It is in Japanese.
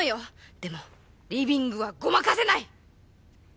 でもリビングはごまかせない！